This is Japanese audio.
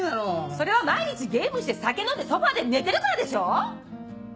それは毎日ゲームして酒飲んでソファで寝てるからでしょう？